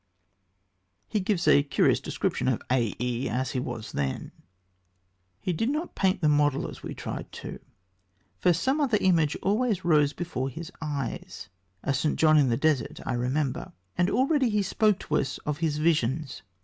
He gives us a curious description of A.E. as he was then: He did not paint the model as we tried to, for some other image rose always before his eyes (a St. John in the Desert I remember), and already he spoke to us of his visions.